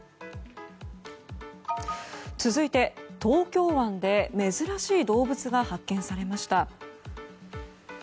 続いて、東京湾で珍しい動物が発見されました。